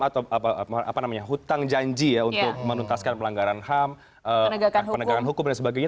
atau hutang janji ya untuk menuntaskan pelanggaran ham penegakan hukum dan sebagainya